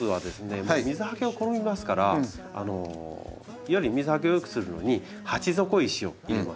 水はけを好みますからより水はけを良くするのに鉢底石を入れます。